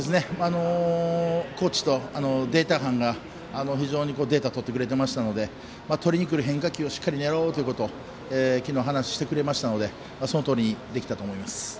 コーチとデータ班が非常にデータを取ってくれたのでとりにくる変化球をしっかり狙おうときのう話をしてくれましたのでそのとおりにできたと思います。